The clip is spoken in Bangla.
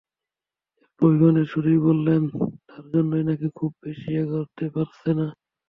একটু অভিমানের সুরেই বললেন, তাঁর জন্যই নাকি খুব বেশি এগোতে পারছেন না।